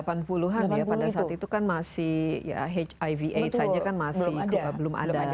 jadi tahun delapan puluh an ya pada saat itu kan masih hiv aids saja kan masih belum ada